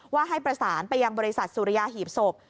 ว่าให้ประสานไปยังบริษัทสุริยาหีบศพ